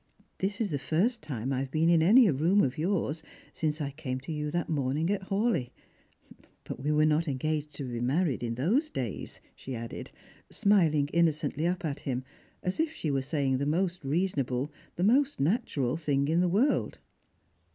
This is the first time that I have been in any room of yours since I came to you that morn ing at Hawleigh. But we were not engaged to be married in those days !" she added, smiling innocently up at him, as if she were saying the most reasonable, the most natural thing in this world.